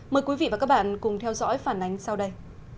mời quý vị và các bạn cùng theo dõi phản ánh sau đây